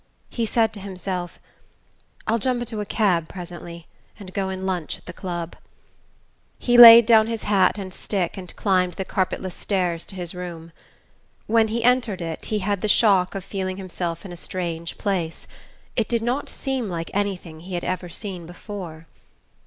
He said to himself: "I'll jump into a cab presently, and go and lunch at the club " He laid down his hat and stick and climbed the carpetless stairs to his room. When he entered it he had the shock of feeling himself in a strange place: it did not seem like anything he had ever seen before.